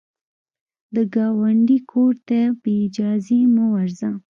د ګاونډي کور ته بې اجازې مه ورځه